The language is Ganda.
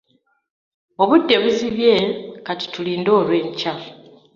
Obudde buzibye, kati tulinde olw'enkya.